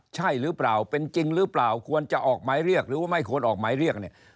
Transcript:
ใช่หรือเปล่าเป็นจริงหรือเปล่าควรจะออกหมายเรียกหรือว่าไม่ควรออกหมายเรียกเนี่ย